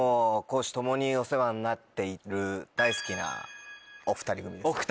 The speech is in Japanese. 公私ともにお世話になっている大好きなお２人組です。